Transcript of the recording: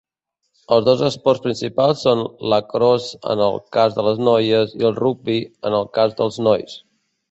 Els dos esports principals són lacrosse en el cas de les noies i el rugbi en els cas dels nois.